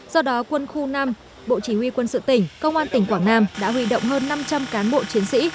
do đó quân khu năm bộ chỉ huy quân sự tỉnh công an tỉnh quảng nam đã huy động hơn năm trăm linh cán bộ chiến sĩ